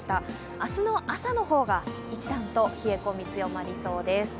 明日の朝の方が一段と冷え込み、強まりそうです。